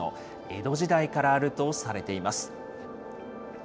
江戸時代からあるとされています。